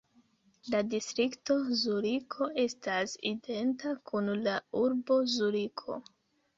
La distrikto Zuriko estas identa kun la urbo Zuriko.